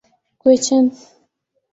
گوئچ ان